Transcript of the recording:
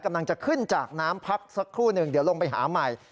กำลังจะขึ้นจากน้ำพักสักครู่หนึ่งเดี๋ยวลงไปหาใหม่